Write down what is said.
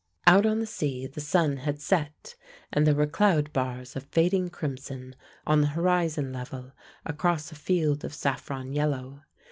Out on the sea the sun had set, and there were cloud bars of fading crimson on the horizon level across a field of saffron yellow.